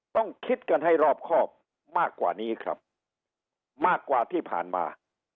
ต้องคิดกันให้รอบครอบมากกว่านี้ครับมากกว่าที่ผ่านมา